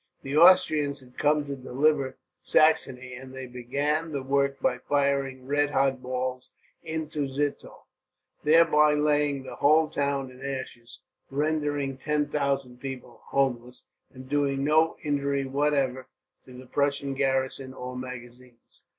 The Austrians had come to deliver Saxony, and they began the work by firing red hot balls into Zittau, thereby laying the whole town in ashes, rendering 10,000 people homeless, and doing no injury whatever to the Prussian garrison or magazines.